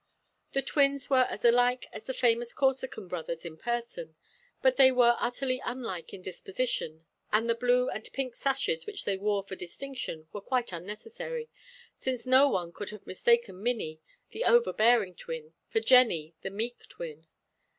The twins were as like as the famous Corsican Brothers in person, but they were utterly unlike in disposition, and the blue and pink sashes which they wore for distinction were quite unnecessary; since no one could have mistaken Minnie, the overbearing twin, for Jennie, the meek twin.